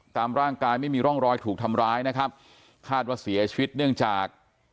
ตามร่างกายไม่มีร่องรอยถูกทำร้ายนะครับคาดว่าเสียชีวิตเนื่องจาก